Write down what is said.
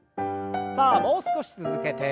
さあもう少し続けて。